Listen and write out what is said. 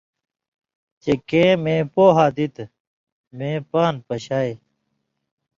چے کیں مے پوہہۡ دِتیۡ، مے پان٘د پشائ